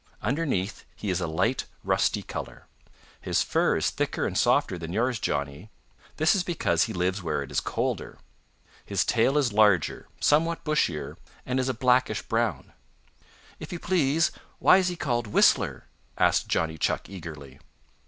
Underneath he is a light, rusty color. His fur is thicker and softer than yours, Johnny; this is because he lives where it is colder. His tail is larger, somewhat bushier, and is a blackish brown." "If you please, why is he called Whistler?" asked Johnny Chuck eagerly.